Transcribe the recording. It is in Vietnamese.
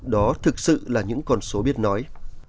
đó thực sự là những con số biết nói